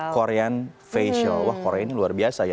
korean fashion wah korea ini luar biasa ya